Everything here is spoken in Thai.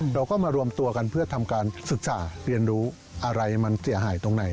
เราก็มารวมตัวกันเพื่อทำการศึกษาเรียนรู้อะไรมันเสียหายตรงไหน